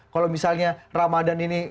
kalau misalnya ramadan ini